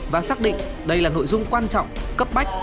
và xác định đây là nội dung quan trọng cấp bách